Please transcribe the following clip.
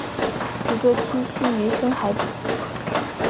其多栖息于深海底。